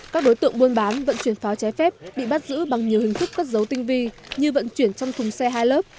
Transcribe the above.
các đối tượng buôn bán vận chuyển pháo trái phép bị bắt giữ bằng nhiều hình thức cất dấu tinh vi như vận chuyển trong thùng xe hai lớp